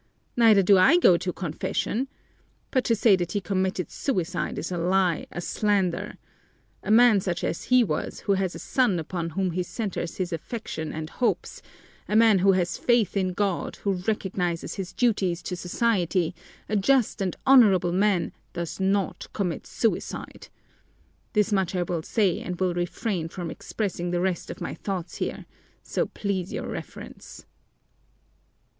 Neither do I go to confession! But to say that he committed suicide is a lie, a slander! A man such as he was, who has a son upon whom he centers his affection and hopes, a man who has faith in God, who recognizes his duties to society, a just and honorable man, does not commit suicide. This much I will say and will refrain from expressing the rest of my thoughts here, so please your Reverence."